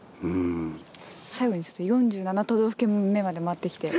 最後にちょっと４７都道府県目まで回ってきて。